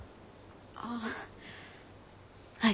あっはい。